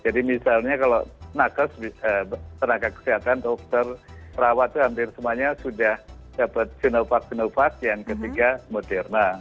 jadi misalnya kalau nakas tenaga kesehatan dokter rawat itu hampir semuanya sudah dapat sinovac sinovac yang ketiga moderna